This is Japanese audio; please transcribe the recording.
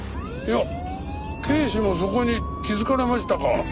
いや警視もそこに気づかれましたか。